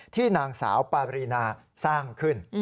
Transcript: ที่นางสาวปารีนาสร้างขึ้น